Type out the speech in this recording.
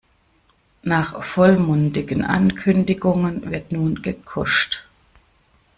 Nach vollmundigen Ankündigungen wird nun gekuscht.